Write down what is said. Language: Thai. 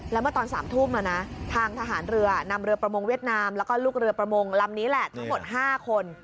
แล้วเมื่อตอน๓ทุ่มทางทหารเรือนำเรือประมงเวียดนามแล้วก็ลูกเรือประมงลำนี้แหละทั้งหมด๕คน